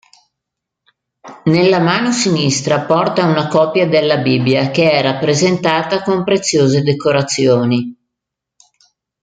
Nella mano sinistra porta una copia della Bibbia, che è rappresentata con preziose decorazioni.